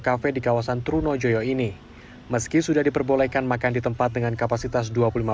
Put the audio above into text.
kafe di kawasan trunojoyo ini meski sudah diperbolehkan makan di tempat dengan kapasitas